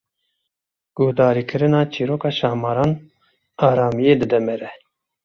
Guhdarîkirina çîroka şahmaran, aramiyê dide mere.